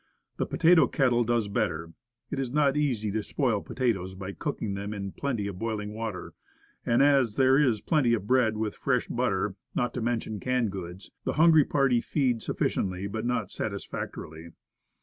The potato kettle does better. It is not easy to spoil potatoes by cooking them in plenty of boiling water; and, as there is plenty of bread with fresh butter, not to mention canned goods, the hungry party feed suf ficiently, but not satisfactorily.